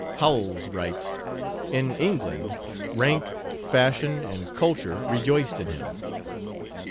Howells writes: "In England, rank, fashion, and culture rejoiced in him.